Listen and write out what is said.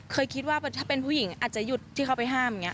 เคยคิดว่าถ้าเป็นผู้หญิงอาจจะหยุดที่เขาไปห้ามอย่างนี้